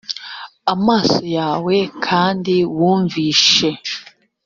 amaso yawe kandi wumvishe